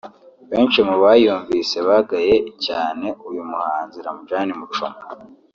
benshi mu bayumvise bagaye cyane uyu muhanzi Ramjaane Muchoma